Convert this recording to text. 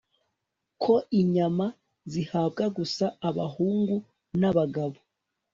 ko inyama zihabwa gusa abahungu n' abagabo